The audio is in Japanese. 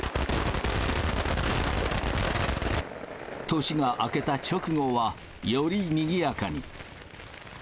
年が明けた直後は、よりにぎやかに。